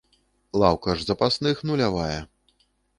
Лаўка ж запасных нулявая.